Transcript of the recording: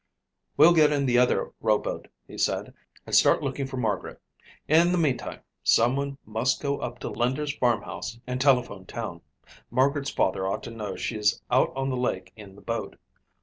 "We'll get in the other rowboat," he said, "and start looking for Margaret. In the meantime, someone must go up to Linder's farmhouse and telephone town. Margaret's father ought to know she's out on the lake in the boat.